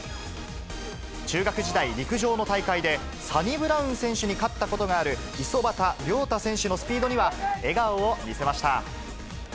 中学時代、陸上の大会でサニブラウン選手に勝ったことがある五十幡亮太選手のスピードには、笑顔を見せました。